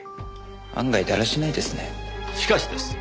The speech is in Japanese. しかしです